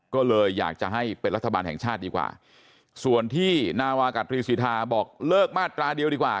ก็เลยอยากจะให้เป็นรัฐบาลแห่งชาติดีกว่าส่วนที่นาวากัตรีสิทธาบอกเลิกมาตราเดียวดีกว่า